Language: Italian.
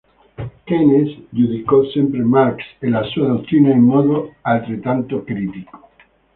Keynes giudicò sempre Marx e la sua dottrina in modo altrettanto critico.